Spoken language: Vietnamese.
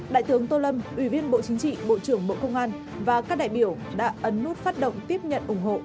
đại tướng tô lâm ủy viên bộ chính trị bộ trưởng bộ công an và các đại biểu đã ấn nút phát động tiếp nhận ủng hộ